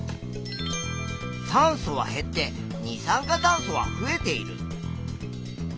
酸素は減って二酸化炭素は増えている。